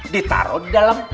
ditaruh di dalam